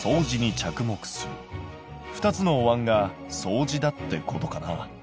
２つのおわんが相似だってことかな。